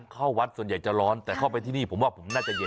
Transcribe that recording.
เข้าวัดส่วนใหญ่จะร้อนแต่เข้าไปที่นี่ผมว่าผมน่าจะเย็น